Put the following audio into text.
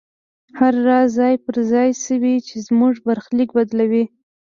هغه راز ځای پر ځای شوی چې زموږ برخليک بدلوي.